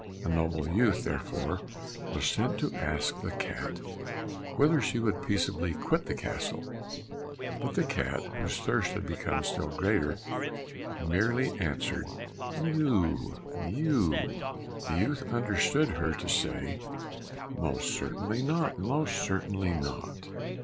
A noble youth, therefore, was sent to ask the cat "whether she would peaceably quit the castle?" But the cat, whose thirst had become still greater, merely answered, "Mew! Mew!" The youth understood her to say, "Most certainly not! most certainly not!"